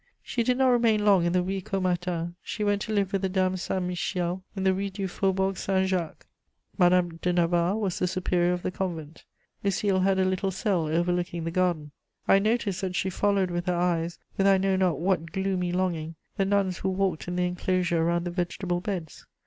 She did not remain long in the Rue Caumartin; she went to live with the Dames Saint Michel, in the Rue du Faubourg Saint Jacques: Madame de Navarre was the superior of the convent. Lucile had a little cell overlooking the garden: I noticed that she followed with her eyes, with I know not what gloomy longing, the nuns who walked in the enclosure around the vegetable beds.